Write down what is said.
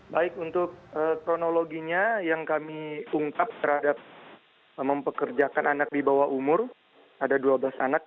baik untuk kronologinya yang kami ungkap terhadap mempekerjakan anak di bawah umur ada dua belas anak